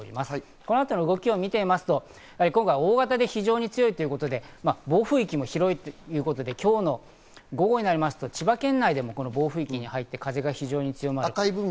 この後の動きを見ると、大型で非常に強いということで、暴風域も広いということで、今日の午後になりますと、千葉県内でも暴風域に入って風が非常に強まります。